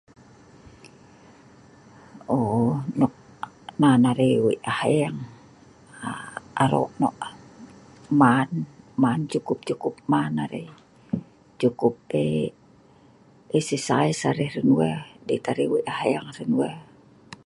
uhh..nok nan arai eek wei aheng aa arok nok man man cukup cukup man arai cukup ai, esersais arai hran wae dei tah arai wei aheng hran wae